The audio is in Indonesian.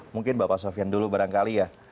mungkin bapak sofian dulu barangkali ya